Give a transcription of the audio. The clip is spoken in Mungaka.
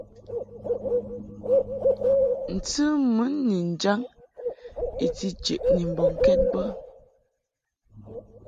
Ntɨ mun ni njaŋ i ti jeʼni mbɔŋkɛd bə.